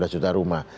empat belas juta rumah